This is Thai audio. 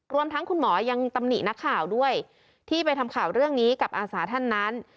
รวมทั้งคุณหมอยังตำหนินักข่าวด้วยที่ไปทำข่าวเรื่องนี้กับอาสาท่านนั้น